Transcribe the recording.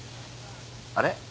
あれ？